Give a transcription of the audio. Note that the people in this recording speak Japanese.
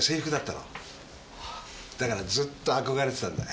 だからずっと憧れてたんだ。